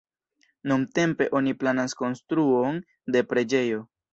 Nuntempe oni planas konstruon de preĝejo.